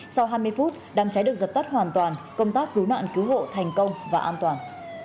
sau hai mươi phút đám cháy được dập tắt hoàn toàn công tác cứu nạn cứu hộ thành công và an toàn